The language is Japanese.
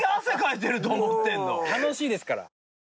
楽しいですから。